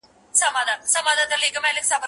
ګواکي ټول دي د مرګي خولې ته سپارلي